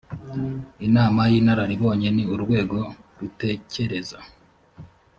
inama y inararibonye ni urwego rutekereza